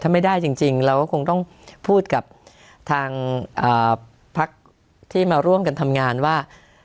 ถ้าไม่ได้จริงเราก็คงต้องพูดกับทางพักที่มาร่วมกันทำงานว่า